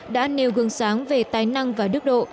đã nêu gương sáng về tài năng và đức độ